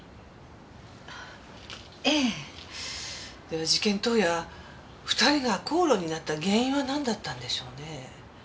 では事件当夜２人が口論になった原因はなんだったんでしょうねぇ？